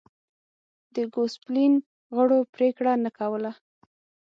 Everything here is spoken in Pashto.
د ګوسپلین غړو پرېکړه نه کوله.